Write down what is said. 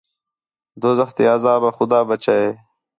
دوزخ تے عذاب آ خُدا ٻچائے